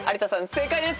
正解です。